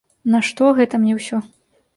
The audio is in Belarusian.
Нашто гэта мне ўсё?